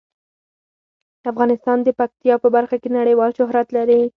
افغانستان د پکتیا په برخه کې نړیوال شهرت لري.